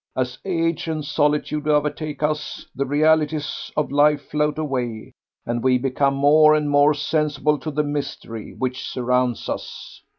As age and solitude overtake us, the realities of life float away and we become more and more sensible to the mystery which surrounds us.